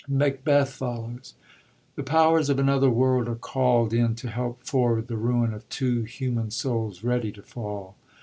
Macbeth follows. The powers of another world are calld in to help forward the ruin of two human souls ready to fall.